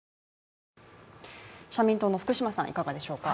社民党の福島さん、いかがですか？